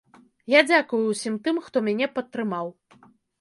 Я дзякую ўсім тым, хто мяне падтрымаў.